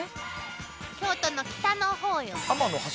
京都の北の方よ。